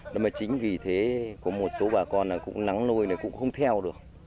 đó mà chính vì thế có một số bà con cũng nắng lôi thì cũng không theo được